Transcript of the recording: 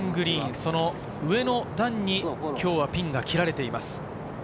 その上の段に今日はピンが切られています。